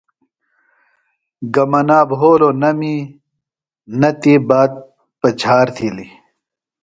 گہ منا بھولوۡ نہ می نہ تی بات پجہار تِھیلیۡ۔